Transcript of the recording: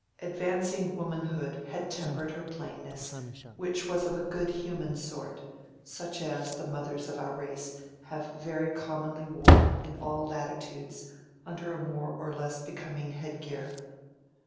Advancing womanhood had tempered her plainness, which was of a good human sort, such as the mothers of our race have very commonly worn in all latitudes under a more or less becoming headgear.